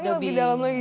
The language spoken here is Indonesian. explore lebih dalam lagi